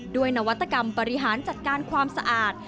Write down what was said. นวัตกรรมบริหารจัดการความสะอาด